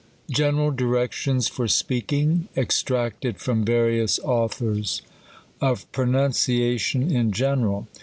General Directions for Speaking ; from various authors. EXTRACTED OF PRONUNCIATION IN GENERAL.